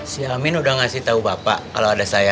si amin udah ngasih tau bapak kalo ada saya